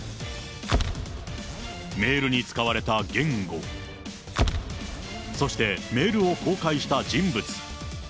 メールに使われた言語、そしてメールを公開した人物。